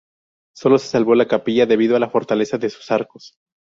Sólo se salvó la capilla debido a la fortaleza de sus arcos.